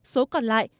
số còn lại